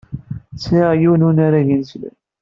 Sɛiɣ yiwen unarag ineslem.